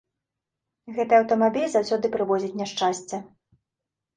Гэты аўтамабіль заўсёды прывозіць няшчасце.